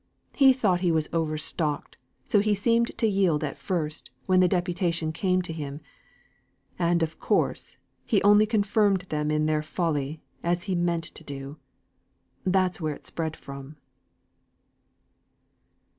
He thought he was overstocked; so he seemed to yield at first, when the deputation came to him, and of course, he only confirmed them in their folly, as he meant to do. That's where it spread from."